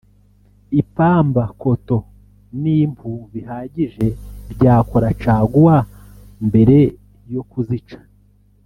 ipamba (cotton) n’impu bihagije byakora caguwa mbere yo kuzica